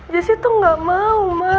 jessy tuh gak mau ma